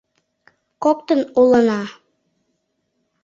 Коктын улына».